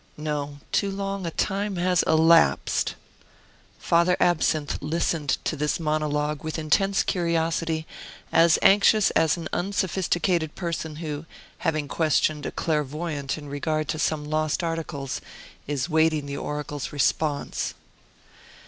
No; too long a time has elapsed." Father Absinthe listened to this monologue with intense curiosity, as anxious as an unsophisticated person who, having questioned a clairvoyant in regard to some lost articles, is waiting the oracle's response.